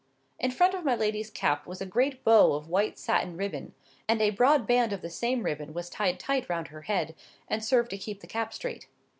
In front of my lady's cap was a great bow of white satin ribbon; and a broad band of the same ribbon was tied tight round her head, and served to keep the cap straight.